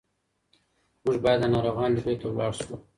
موږ باید د ناروغانو لیدو ته لاړ شو.